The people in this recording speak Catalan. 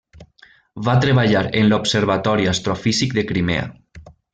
Va treballar en l'Observatori Astrofísic de Crimea.